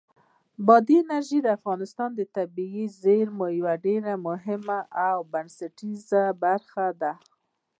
بادي انرژي د افغانستان د طبیعي زیرمو یوه ډېره مهمه او بنسټیزه برخه ده.